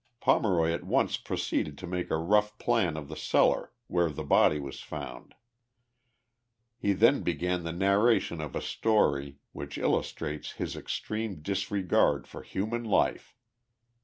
Pomeroy at once proceeded to make a rough plan of the cel lar, where the body was found. He then began the narration of a story, which illustrated his extreme disregard for human life.